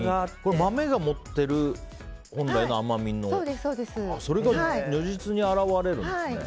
豆が持ってる本来の甘みがそれが如実に表れるんですね。